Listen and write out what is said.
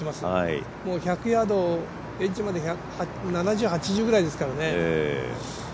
１００ヤード、エッジまで７０、８０ですからね。